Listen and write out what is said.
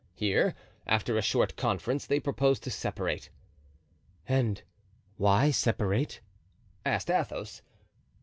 Here, after a short conference, they proposed to separate. "And why separate?" asked Athos.